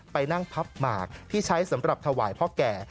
ไปนั่งพับหมากที่ใช้สำหรับถวายพ่อแก่